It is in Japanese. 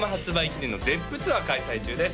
記念のＺｅｐｐツアー開催中です